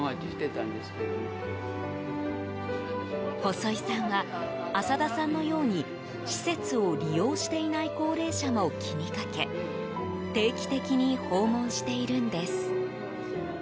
細井さんは朝田さんのように施設を利用していない高齢者も気にかけ定期的に訪問しているんです。